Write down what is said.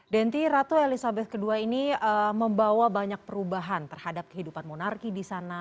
denti ratu elizabeth ii ini membawa banyak perubahan terhadap kehidupan monarki di sana